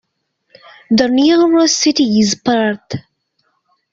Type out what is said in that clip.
The nearest city is Perth.